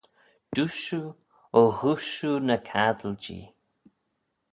Dooisht shiu! O ghooisht shiu ny caddil-jee !